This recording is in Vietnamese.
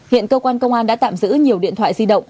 hiện cơ quan công an đã tạm giữ nhiều điện thoại di động